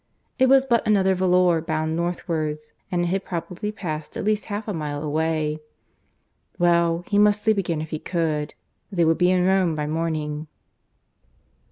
It was but another volor, bound northwards, and it had probably passed at least half a mile away. Well, he must sleep again if he could. They would be in Rome by morning.